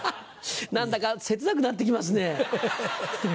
何だか切なくなって来ますね。